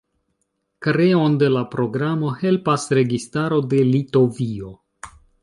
Kreon de la programo helpas registaro de Litovio.